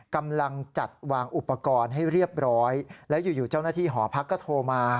กำลังจัดวางอุปกรณ์ให้เรียบร้อยแล้วอยู่เจ้าหน้าที่หอพักก็โทรมา